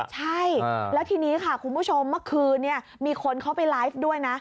ใช่แล้วทีนี้ค่ะคุณผู้ชมเมื่อคืนมีคนเขาไปไลฟ์ด้วยนะ